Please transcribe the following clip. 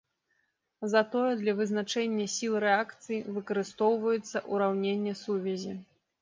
Затое для вызначэння сіл рэакцыі выкарыстоўваецца ураўненне сувязі.